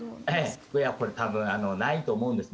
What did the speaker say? これは多分ないと思うんですね。